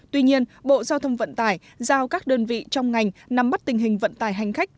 tuy nhiên bộ giao thông vận tải giao các đơn vị trong ngành nắm bắt tình hình vận tải hành khách